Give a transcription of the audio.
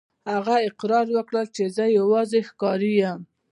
هغه اقرار وکړ چې زه یوازې ښکاري یم.